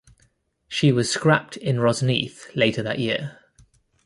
She was scrapped in Rosneath later that year.